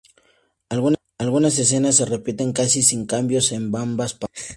Algunas escenas se repiten casi sin cambios en ambas partes.